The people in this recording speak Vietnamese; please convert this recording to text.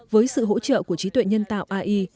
với sự hỗ trợ của trí tuệ nhân tạo ai